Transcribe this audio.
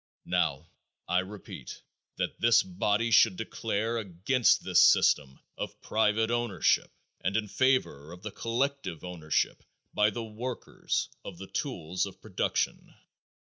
Now, I repeat that this body should declare against this system of private ownership and in favor of the collective ownership by the workers of the tools of production.